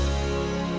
untukku buat semuanya